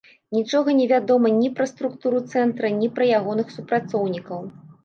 Нічога невядома ні пра структуру цэнтра, ні пра ягоных супрацоўнікаў.